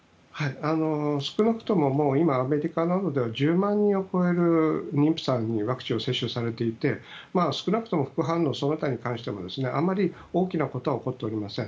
少なくとも今、アメリカなどでは１０万人を超える妊婦さんにワクチンを接種されていて少なくとも副反応その他に関してもあまり大きなことは起こっておりません。